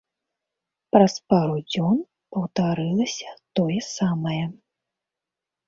Праз пару дзён паўтарылася тое самае.